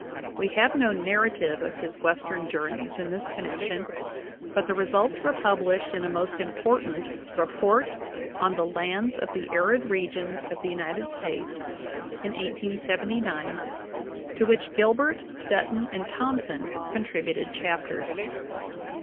We have no narrative of his Western journeys in this connection, but the results were published in a most important "Report on the Lands of the Arid Regions of the United States" in 1879, to which Gilbert, Dutton, and Thompson contributed chapters.